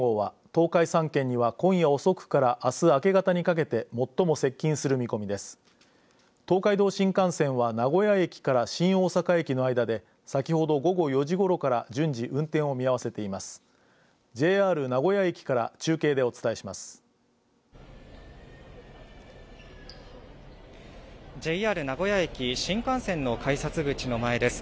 東海道新幹線は名古屋駅から新大阪駅の間で、先ほど午後４時ごろから順次運転を見合わせています。